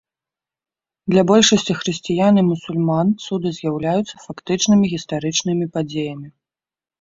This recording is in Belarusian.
Для большасці хрысціян і мусульман, цуды з'яўляюцца фактычнымі гістарычнымі падзеямі.